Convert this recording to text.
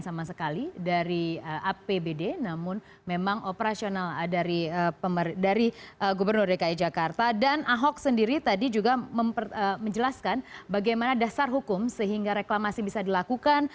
sama sekali dari apbd namun memang operasional dari gubernur dki jakarta dan ahok sendiri tadi juga menjelaskan bagaimana dasar hukum sehingga reklamasi bisa dilakukan